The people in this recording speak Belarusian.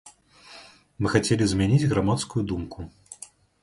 Мы хацелі змяніць грамадскую думку.